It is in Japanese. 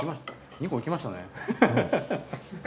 ２個いきましたね。